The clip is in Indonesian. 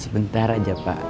sebentar aja pak